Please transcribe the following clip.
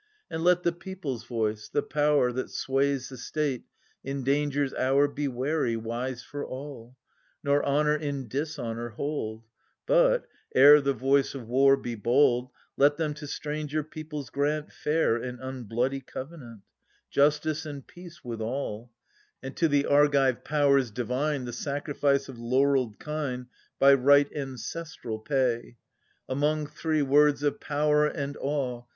\^^ K THE SUPPLIANT MAIDENS. 35 f^A And let the people's voice, the power ^^^'"^ I^That sways the State, in danger's hour V Be wary, wise for all ;' Nor honour in dishonour hold, But — ere the voice of war be bold — Let them to stranger peoples grant Fair and unbloody covenant — Justice and peace withal ; And to the Argive powers divine The sacrifice of laurelled kine, y , By rite ancestral, pay. Among three words of power and awe.